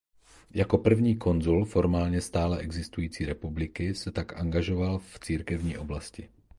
Jako první konzul formálně stále existující republiky se tak angažoval v církevní oblasti.